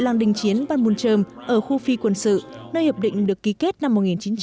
làng đình chiến banbuncheom ở khu phi quân sự nơi hiệp định được ký kết năm một nghìn chín trăm năm mươi ba